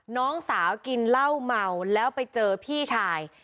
น้องสาวกินเหล้าเมาแล้วไปเจอพี่ชาย